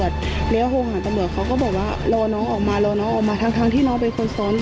เรียกว่าโฮหารตำลวดเขาก็บอกว่ารอน้องออกมารอน้องออกมาทั้งทั้งที่น้องเป็นคนซ้อน